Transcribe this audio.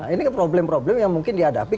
ini problem problem yang mungkin dihadapi